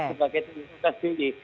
sebagai tim sukses dini